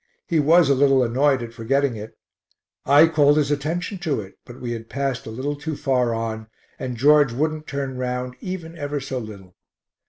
He was a little annoyed at forgetting it. I called his attention to it, but we had passed a little too far on, and George wouldn't turn round even ever so little.